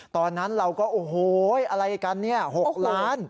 ตอนนั้นเราก็โอ้โหอะไรกันเนี่ย๖ล้าน